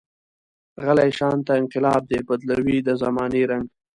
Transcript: غلی شانته انقلاب دی، بدلوي د زمانې رنګ.